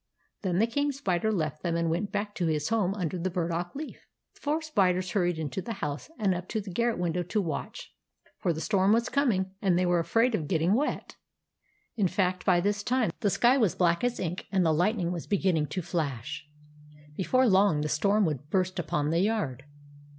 Then the King Spider left them and went back to his home under the burdock leaf. The four spiders hurried into the house, and up to the garret window to watch ; for the storm was coming, and they were afraid of getting wet. In fact, by this time, the sky was black as ink, and the lightning was begin ning to flash. Before long the storm would burst upon the yard.